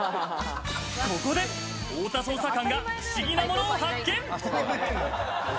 ここで太田捜査官が不思議なものを発見。